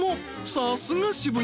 さすが渋谷